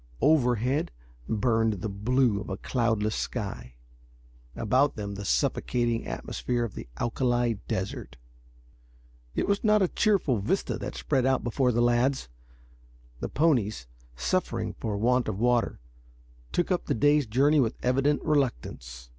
Overhead burned the blue of a cloudless sky; about them the suffocating atmosphere of the alkali desert. It was not a cheerful vista that spread out before the lads. The ponies, suffering for want of water, took up the day's journey with evident reluctance.